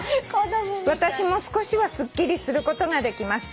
「私も少しはすっきりすることができます」